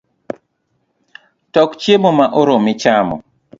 Tok chiemo ma oromi chamo